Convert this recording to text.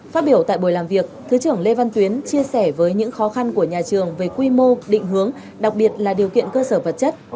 phát biểu tại buổi làm việc thứ trưởng lê văn tuyến chia sẻ với những khó khăn của nhà trường về quy mô định hướng đặc biệt là điều kiện cơ sở vật chất